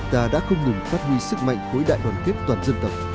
ta đã không ngừng phát huy sức mạnh với đại đoàn kết toàn dân tập